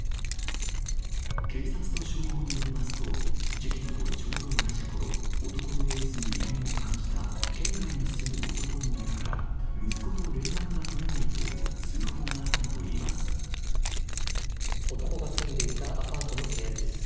警察と消防によりますと、事件とちょうど同じころ、男の様子に異変を感じた県外に住む男の親から、息子と連絡が取れ男が住んでいたアパートの部屋です。